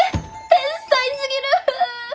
天才すぎる！